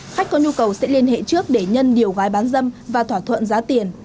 khách có nhu cầu sẽ liên hệ trước để nhân điều gái bán dâm và thỏa thuận giá tiền